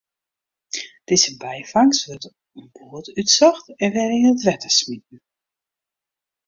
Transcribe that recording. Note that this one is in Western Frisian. Dizze byfangst wurdt oan board útsocht en wer yn it wetter smiten.